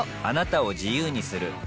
あなたを自由にする